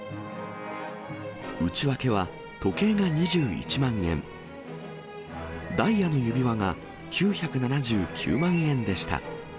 内訳は、時計が２１万円、ダイヤの指輪が９７９万円でした。